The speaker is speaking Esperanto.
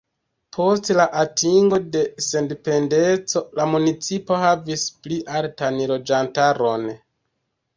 Post la atingo de sendependeco la municipo havis pli altan loĝantaron.